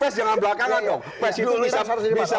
pes jangan belakangan dong pes itu bisa